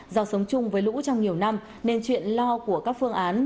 do sống chung với lũ trong nhiều năm nên chuyện lo của các phương án